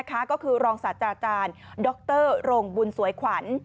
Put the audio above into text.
ก็คือรองศาสตราจารย์ดรโรงบุญสวยขวัญ